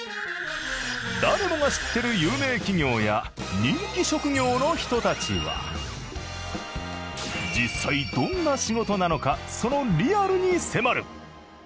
誰もが知ってる有名企業や人気職業の人たちは実際どんな仕事なのかそのリアルに迫る。